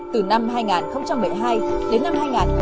từ năm hai nghìn một mươi hai đến năm hai nghìn một mươi tám